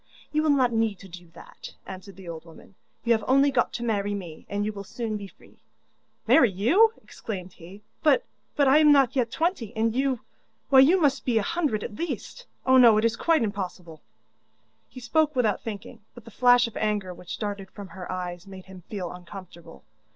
'You will not need to do that,' answered the old woman, 'you have only got to marry me, and you will soon be free.' 'Marry you?' exclaimed he, 'but but I am not yet twenty, and you why, you must be a hundred at least! Oh, no, it is quite impossible.' He spoke without thinking, but the flash of anger which darted from her eyes made him feel uncomfortable.